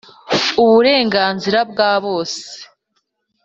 uburenganzira bwa bose